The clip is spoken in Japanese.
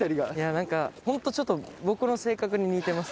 何かホントちょっと僕の性格に似てます